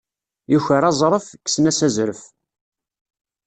Yuker aẓref, kksen-as azref.